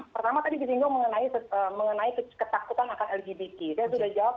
pertama tadi bisinggung mengenai ketakutan akan lgbt